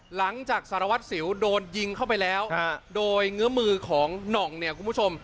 หลังจากสารวัตรสิวโดนยิงเข้าไปแล้วโดยเงื้อมือของหน่องเนี่ยคุณผู้ชม